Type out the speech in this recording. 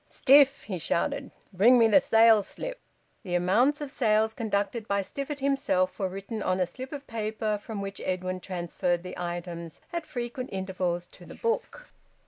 "Stiff;" he shouted, "bring me the sales slip." The amounts of sales conducted by Stifford himself were written on a slip of paper from which Edwin transferred the items at frequent intervals to the book.